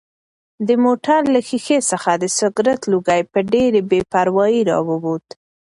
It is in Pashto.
د موټر له ښیښې څخه د سګرټ لوګی په ډېرې بې پروایۍ راووت.